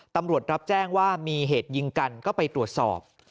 ตำรวจรับแจ้งว่ามีเหตุยิงกันก็ไปตรวจสอบ